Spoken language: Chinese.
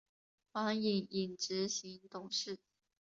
黄影影执行董事。